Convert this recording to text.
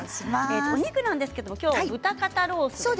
お肉なんですが今日は豚肩ロースです。